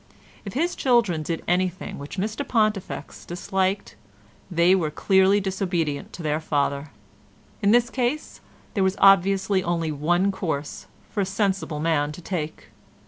If his children did anything which Mr Pontifex disliked they were clearly disobedient to their father. In this case there was obviously only one course for a sensible man to take.